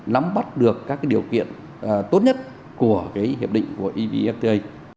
nắm bắt được các điều kiện tốt nhất của hiệp định của evfta